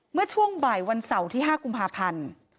เมื่อช่วงบ่ายวันเสาร์ที่๕กุมภาพันธ์